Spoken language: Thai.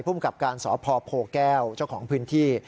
พุ่มกลับการสอบพอโพแก้วเจ้าของพื้นที่